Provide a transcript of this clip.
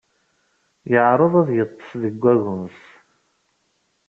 Yeɛreḍ ad yeḍḍes deg wagens.